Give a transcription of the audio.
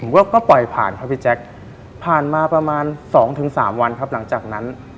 ก็ปล่อยผ่านครับพี่แจ๊คผ่านมาประมาณ๒๓วันครับหลังจากนั้น